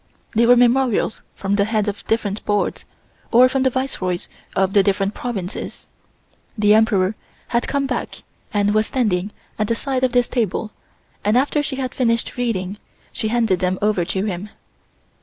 They were memorials from the heads of the different Boards, or from the Viceroys of the different Provinces. The Emperor had come back and was standing at the side of this table and after she had finished reading, she handed them over to him.